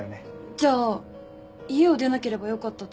じゃあ家を出なければよかったと後悔してますか？